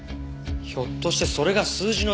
ひょっとしてそれが数字の意味？